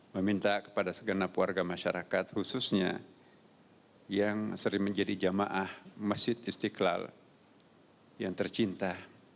meminta kepada segenap warga masyarakat khususnya yang sering menjadi jamaah masjid istiqlal yang tercinta